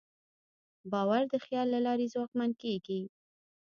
باور د خیال له لارې ځواکمن کېږي.